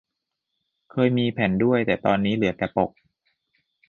เคยมีแผ่นด้วย แต่ตอนนี้เหลือแต่ปก